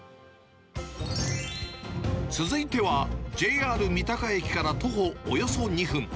続いては、ＪＲ三鷹駅から徒歩およそ２分。